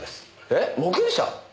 えっ目撃者？